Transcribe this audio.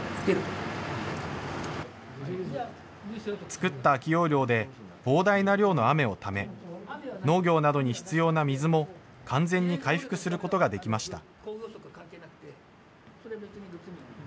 作った空き容量で、膨大な量の雨をため、農業などに必要な水も完全に回復することができました。